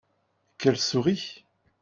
Qu'elle sourit !